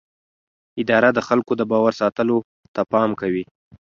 اداره د خلکو د باور ساتلو ته پام کوي.